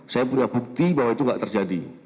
saya punya bukti bahwa itu tidak terjadi